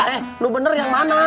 eh lo bener yang mana